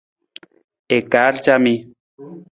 I kaar camii.